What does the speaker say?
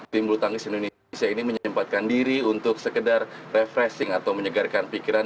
tim bulu tangkis indonesia ini menyempatkan diri untuk sekedar refreshing atau menyegarkan pikiran